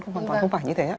hoàn toàn không phải như thế